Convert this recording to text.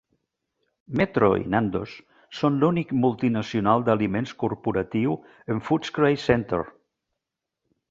Metro i Nandos són l'únic multi-nacional d'aliments corporatius en Footscray centre.